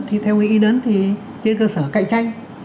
thì theo ý ý đấn thì trên cơ sở cạnh tranh